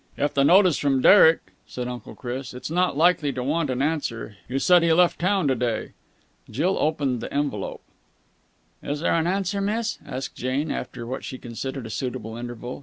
"If the note is from Derek," said Uncle Chris, "it's not likely to want an answer. You said he left town to day." Jill opened the envelope. "Is there an answer, miss?" asked Jane, after what she considered a suitable interval.